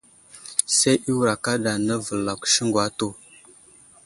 Say i wə́rà kaɗa navəlakw siŋgu atu.